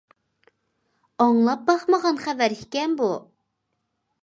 ئاڭلاپ باقمىغان خەۋەر ئىكەن بۇ.